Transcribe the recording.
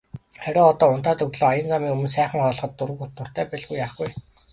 Харин одоо унтаад өглөө аян замын өмнө сайхан хооллоход дуртай байлгүй яах вэ.